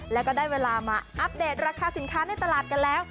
แล้วก็ได้เวลามาอัปเดตราคาสินค้าในตลาดกันแล้ว